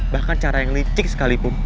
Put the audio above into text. bahkan cara yang licik sekalipun